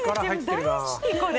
大好き、これ。